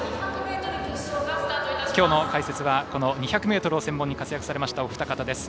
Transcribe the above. きょうの解説はこの２００ｍを専門に活躍されましたお二方です。